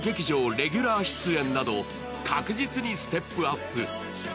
レギュラー出演など確実にステップアップ。